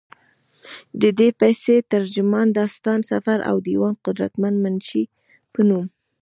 ددې پسې، ترجمان، داستان سفر او ديوان قدرمند منشي پۀ نوم